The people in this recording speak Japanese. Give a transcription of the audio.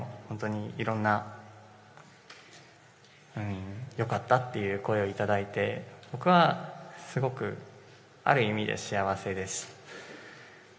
本当にいろんな、よかったという声をいただいて、僕はすごくある意味で幸せです。